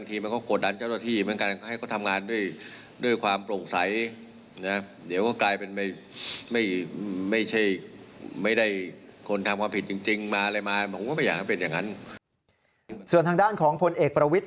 ส่วนทางด้านของพลเอกประวิทธิ